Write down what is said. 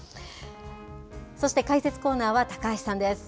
そして解説コーナーは高橋さんです。